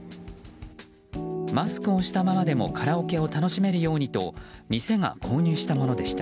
マスクをしたままでもカラオケを楽しめるようにと店が購入したものでした。